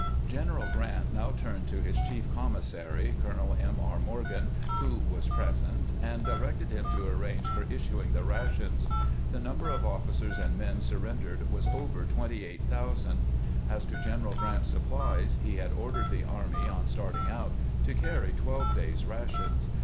General Grant now turned to his chief commissary, Colonel M. R. Morgan, who was present, and directed him to arrange for issuing the rations. The number of officers and men surrendered was over 28,000. As to General Grant's supplies, he had ordered the army, on starting out, to carry twelve days' rations.